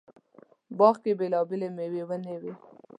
باغ کې بېلابېلې مېوې ونې وې.